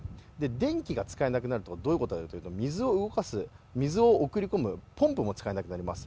電気が使えなくなるとどういうことが起こるかというと水を送り込むポンプも使えなくなります。